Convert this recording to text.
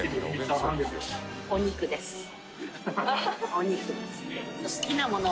お肉です。